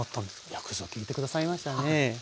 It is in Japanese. よくぞ聞いて下さいましたね。